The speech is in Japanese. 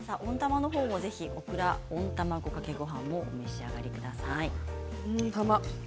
オクラ温卵かけごはんもお召し上がりください。